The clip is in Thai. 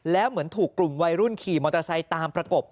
แล้วเหมือนถูกกลุ่มวัยรุ่นขี่มอเตอร์ไซค์ตามประกบ